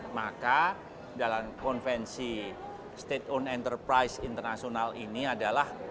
maka dalam konvensi state on enterprise internasional ini adalah